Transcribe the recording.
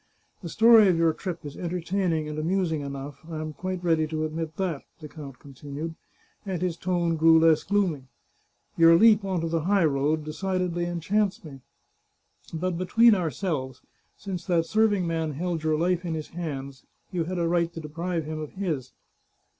The story of your trip is entertaining and amusing enough, I am quite ready to admit that," the count continued, and his tone grew less gloomy. " Your leap on to the high road de cidedly enchants me. But between ourselves, since that serving man held your life in his hands, you had a right to deprive him of his.